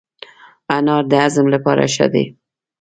انار د هضم لپاره ښه دی.